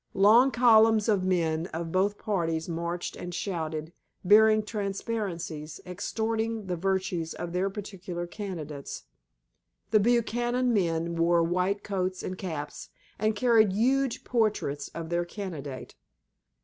Long columns of men of both parties marched and shouted, bearing transparencies extolling the virtues of their particular candidates. The Buchanan men wore white coats and caps, and carried huge portraits of their candidate.